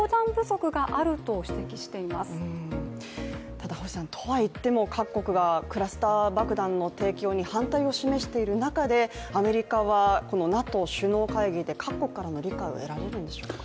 ただ、とはいっても、各国がクラスター爆弾の提供に反対を示している中でアメリカはＮＡＴＯ首脳会議で各国からの理解を得られるんでしょうか。